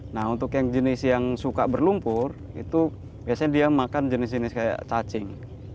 nah untuk yang jenis yang suka berlumpur itu biasanya dia makan jenis jenis kayak cacing